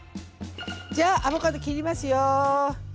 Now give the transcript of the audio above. じゃあアボカド切りますよ。